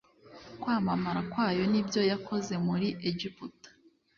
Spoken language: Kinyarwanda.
kwamamara kwayo n ibyo yakoze muri egiputa